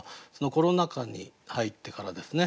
コロナ禍に入ってからですね